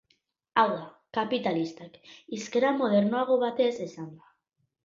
Hau da, kapitalistak, hizkera modernoago batez esanda.